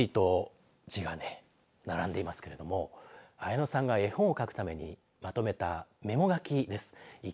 びっしりと字がね並んでいますけどもあやのさんが絵本を書くためにまとめたメモ書きです。